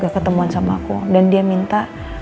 ketemuan sama aku dan dia minta